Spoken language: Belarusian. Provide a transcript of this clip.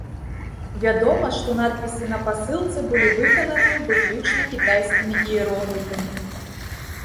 Вядома, што надпісы на пасылцы былі выкананы выключна кітайскімі іерогліфамі.